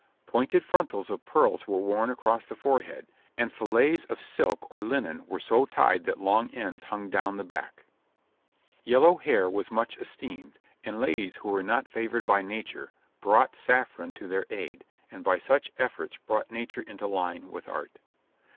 Pointed frontals of pearls were worn across the forehead, and fillets of silk or linen were so tied that long ends hung down the back. [Illustration: {Four women of the time of Edward III.}] Yellow hair was much esteemed, and ladies who were not favoured by Nature, brought saffron to their aid, and by such efforts brought Nature into line with Art.